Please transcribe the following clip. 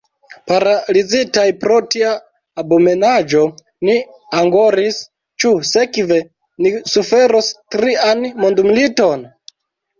Paralizitaj pro tia abomenaĵo ni angoris: ĉu sekve ni suferos trian mondmiliton?